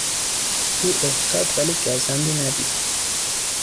او افتاد ولی گزندی ندید.